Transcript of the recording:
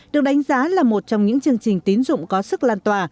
được đánh giá là một trong những chương trình tín dụng có sức lan tỏa